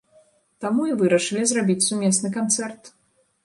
Таму і вырашылі зрабіць сумесны канцэрт.